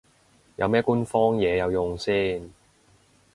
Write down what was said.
有咩官方嘢有用先